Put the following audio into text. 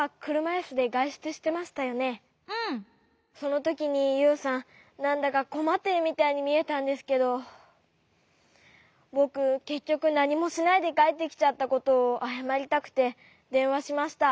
そのときにユウさんなんだかこまっているみたいにみえたんですけどぼくけっきょくなにもしないでかえってきちゃったことをあやまりたくてでんわしました。